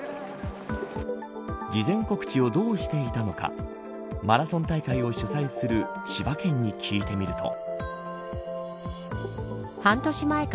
事前告知をどうしていたのかマラソン大会を主催する千葉県に聞いてみると。